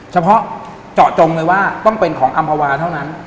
เฉพาะเจาะจงเลยว่าต้องเป็นของอำภาวาเท่านั้น